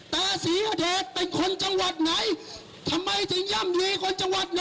แต่ศรีอเดชเป็นคนจังหวัดไหน